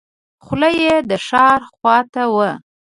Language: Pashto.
خوله یې د ښار خواته وه.